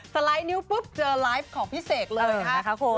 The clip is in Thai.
สไลด์นิ้วปุ๊บเจอไลฟ์ของพี่เสกเลยนะคะคุณ